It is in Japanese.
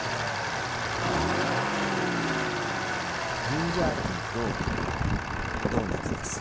ジンジャーティーとドーナツです。